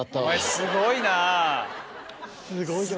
すごいよな。